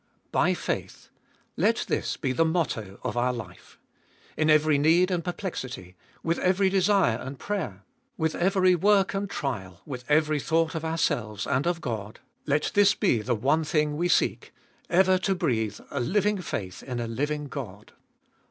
By faith. Let this be the motto of our life. In every need and perplexity, with every desire and prayer, with every work and trial, with every thought of ourselves and of God, let this be the one thing we seek — ever to breathe a living faith in a living God.